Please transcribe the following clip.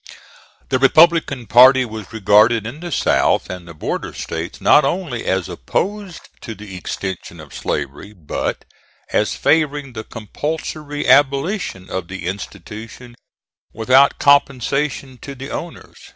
The Republican party was regarded in the South and the border States not only as opposed to the extension of slavery, but as favoring the compulsory abolition of the institution without compensation to the owners.